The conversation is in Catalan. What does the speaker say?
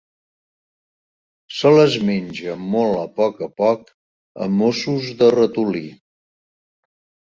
Se les menja molt a poc a poc, a mossos de ratolí.